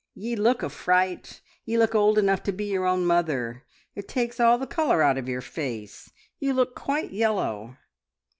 "Ye look a fright. Ye look old enough to be your own mother. It takes all the colour out of your face. You look quite yellow!"